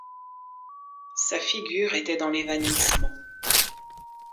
Sa figure était dans l’évanouissement.